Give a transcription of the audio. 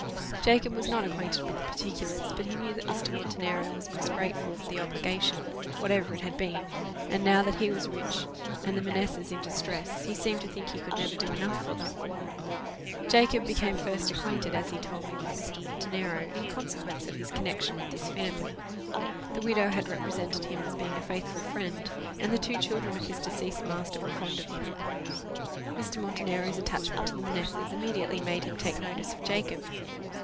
Jacob was not acquainted with the particulars, but he knew that Mr. Montenero was most grateful for the obligation, whatever it had been; and now that he was rich and the Manessas in distress, he seemed to think he could never do enough for them. Jacob became first acquainted, as he told me, with Mr. Montenero in consequence of his connexion with this family. The widow had represented him as being a faithful friend, and the two children of his deceased master were fond of him. Mr. Montenero's attachment to the Manessas immediately made him take notice of Jacob.